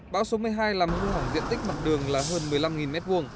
bão số một mươi hai làm hư hỏng diện tích mặt đường là hơn một mươi năm m hai